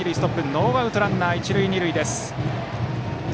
ノーアウトランナー、一塁二塁。